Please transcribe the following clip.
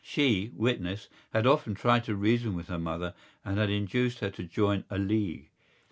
She, witness, had often tried to reason with her mother and had induced her to join a league.